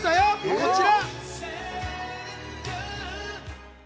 こちら！